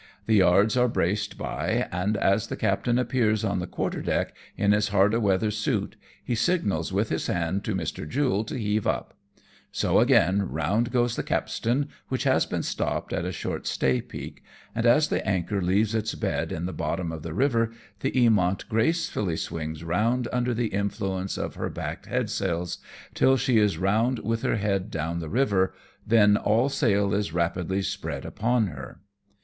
The yards are braced by, and as the captain appears on the quarter deck in his hard a weather suit, he signals with his hand to Mr. Jule to heave up ; so, again round goes the capstan, which has been stopped at a short stay peak, and as the anchor leaves its bed in the bottom of the river, the Eamont gracefully swings round under the influence of her backed headsails, till she is round with her head down the river, then all sail is rapidly spread upon her.